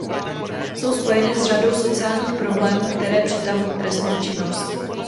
Jsou spojeny s řadou sociálních problémů, které přitahují trestnou činnost.